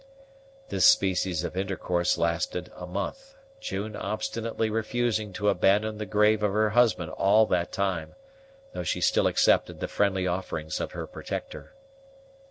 This species of intercourse lasted a month, June obstinately refusing to abandon the grave of her husband all that time, though she still accepted the friendly offerings of her protector.